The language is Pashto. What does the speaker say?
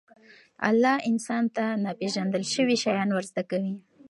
الله انسان ته ناپېژندل شوي شیان ورزده کوي.